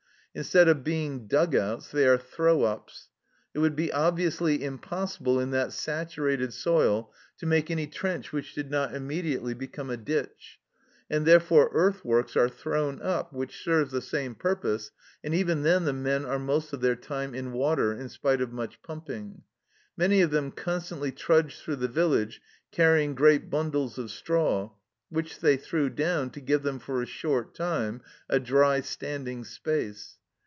Instead of being "dug outs," they are "throw ups." It would be obviously impossible in that saturated soil to make any trench which did not immediately become a ditch, and therefore earth works are thrown up, which serve the same purpose, and even then the men are most of their time in water, in spite of much pumping. Many of them constantly trudged through the village carrying great bundles of straw, which they threw down to give them for a short time a dry standing space.